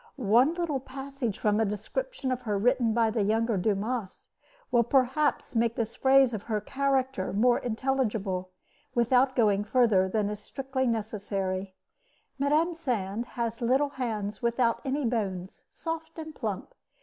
One little passage from a description of her written by the younger Dumas will perhaps make this phase of her character more intelligible, without going further than is strictly necessary: Mme. Sand has little hands without any bones, soft and plump.